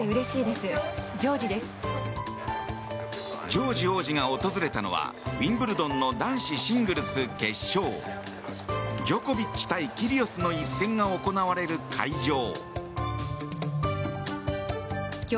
ジョージ王子が訪れたのはウィンブルドンの男子シングルス決勝ジョコビッチ対キリオスの一戦が行われる会場。